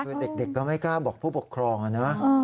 คือเด็กก็ไม่กล้าบอกผู้ปกครองนะ